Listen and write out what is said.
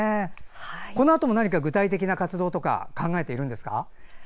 このあとも何か具体的な活動とか考えているんですか？